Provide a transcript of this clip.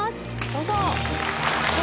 どうぞ。